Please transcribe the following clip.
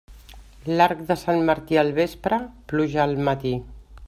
L'arc de Sant Martí al vespre, pluja al matí.